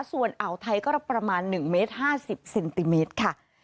ส่วนอ่าวไทยก็ประมาณ๑เมตร๕๐เซนติเมตรค่ะ